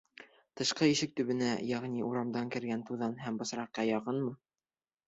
Тышҡы ишек төбөнә, йәғни урамдан кергән туҙан һәм бысраҡҡа яҡынмы?